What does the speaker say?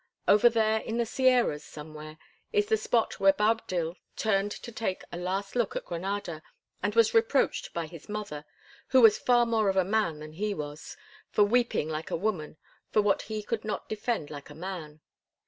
Over there in the Sierras, somewhere, is the spot where Boabdil turned to take a last look at Granada, and was reproached by his mother—who was far more of a man than he was—for weeping like a woman for what he could not defend like a man.